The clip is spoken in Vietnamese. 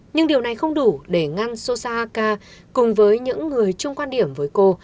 nhưng điều này không đủ để ngăn sosaka cùng với những người trung quan điểm với cô